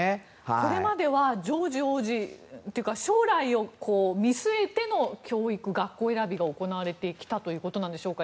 これまではジョージ王子というか将来を見据えての教育、学校選びが行われてきたということでしょうか？